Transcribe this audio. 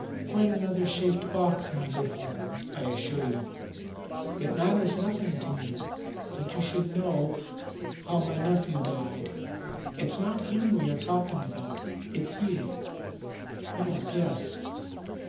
Quite another shaped box, my good Holmes, I assure you. It matters nothing to me that you should know how my nephew died. It's not him we are talking about. It's you." "Yes, yes."